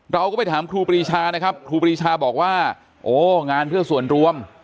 เราก็ไปถามครูปรีชานะครับครูปรีชาบอกว่าโอ้งานเพื่อส่วนรวม